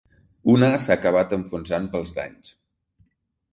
Una s’ha acabat enfonsant pels danys.